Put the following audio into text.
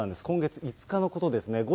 今月５日のことですね。